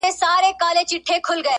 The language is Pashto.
o گرا ني خبري سوې پرې نه پوهېږم.